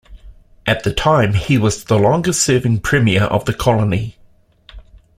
At the time, he was the longest-serving premier of the colony.